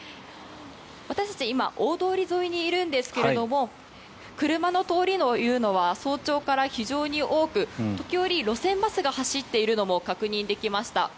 私たち今大通り沿いにいるんですが車の通りというのは早朝から非常に多く時折、路線バスが走っているのも確認できました。